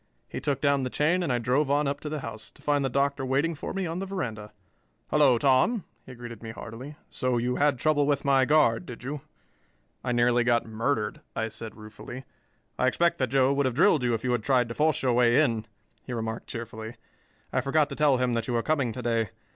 He took down the chain and I drove on up to the house, to find the Doctor waiting for me on the veranda. "Hello, Tom," he greeted me heartily. "So you had trouble with my guard, did you?" "I nearly got murdered," I said ruefully. "I expect that Joe would have drilled you if you had tried to force your way in," he remarked cheerfully. "I forgot to tell him that you were coming to day.